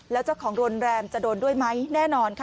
แล้วเจ้าของโรงแรมจะโดนด้วยไหมแน่นอนค่ะ